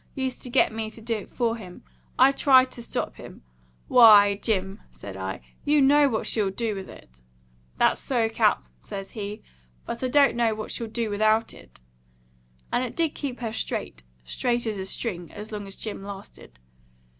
Used to get me to do it for him. I tried to stop him. 'Why, Jim,' said I, 'you know what she'll do with it.' 'That's so, Cap,' says he, 'but I don't know what she'll do without it.' And it did keep her straight straight as a string as long as Jim lasted.